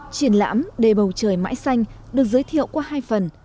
triển lãm đề bầu trời mãi xanh được giới thiệu qua hai phần